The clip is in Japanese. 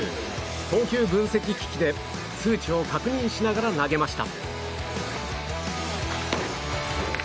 投球分析機器で数値を確認しながら投げました。